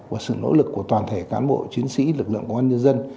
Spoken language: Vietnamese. và sự nỗ lực của toàn thể cán bộ chiến sĩ lực lượng công an nhân dân